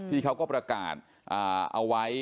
เขาก็ประกาศเอาไว้